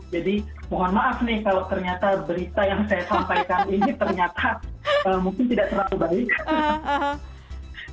jadi mohon maaf nih kalau ternyata berita yang saya sampaikan ini ternyata mungkin tidak terlalu baik